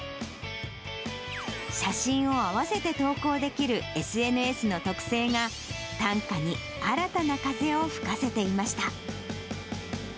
写真を合わせて投稿できるＳＮＳの特性が、短歌に新たな風を吹かせていました。